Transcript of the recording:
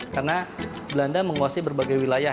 karena belanda menguasai berbagai wilayah